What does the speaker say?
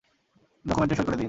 ডকুমেন্টে সই করে দিন।